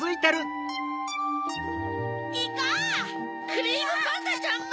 クリームパンダちゃんも！